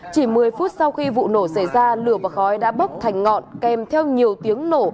chỉ một mươi phút sau khi vụ nổ xảy ra lửa và khói đã bốc thành ngọn kèm theo nhiều tiếng nổ